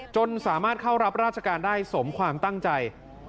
จนสามารถเข้ารับราชการได้สมความตั้งใจ